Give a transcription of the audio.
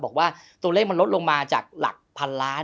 บอกว่าตัวเลขมันลดลงมาจากหลักพันล้าน